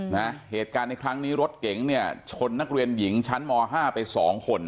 นะเหตุการณ์ในครั้งนี้รถเก๋งเนี่ยชนนักเรียนหญิงชั้นมห้าไปสองคน